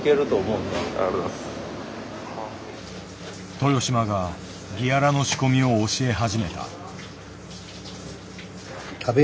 豊島がギアラの仕込みを教え始めた。